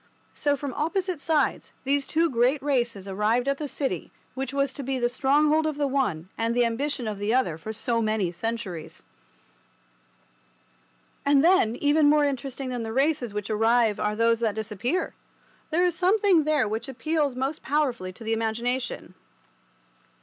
So, from opposite sides, those two great races arrived at the city which was to be the stronghold of the one and the ambition of the other for so many centuries. And then, even more interesting than the races which arrive are those that disappear. There is something there which appeals most powerfully to the imagination.